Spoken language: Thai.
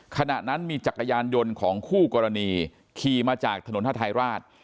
ขณะนั้นมีจักรยานยนต์ของคู่กรณีขี่มาจากถนนฮาทายราช